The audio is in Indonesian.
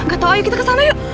gak tau ayo kita kesana yuk